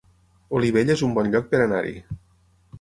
Olivella es un bon lloc per anar-hi